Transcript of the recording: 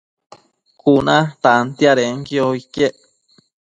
Cuna tantiadenquio iquec